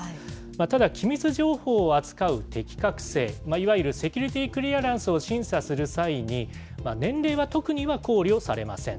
ただ、機密情報を扱う適格性、いわゆるセキュリティークリアランスを審査する際に、年齢は特には考慮されません。